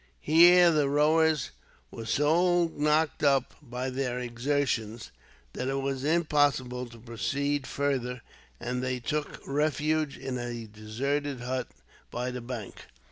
Here the rowers were so knocked up, by their exertions, that it was impossible to proceed further; and they took refuge in a deserted hut, by the bank.